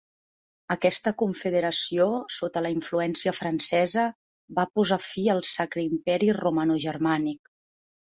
Aquesta confederació, sota la influència francesa, va posar fi al Sacre Imperi Romanogermànic.